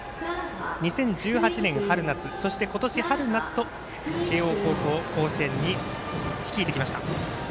２０１８年春夏そして、今年春夏と慶応高校を甲子園に率いてきました。